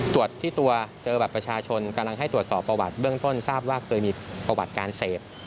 ตรวจที่ตัวเจอบัตรประชาชนกำลังให้ตรวจสอบประวัติเบื้องต้นทราบว่าเคยมีประวัติการเสพ